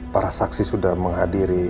para saksi sudah menghadiri